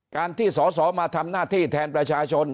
การที่สอสอมาทำหน้าที่แทนประชาชน